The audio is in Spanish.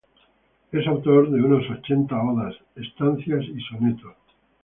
Es autor de unas ochenta odas, estancias y sonetos.